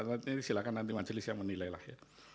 nanti silakan nanti majelis yang menilailah ya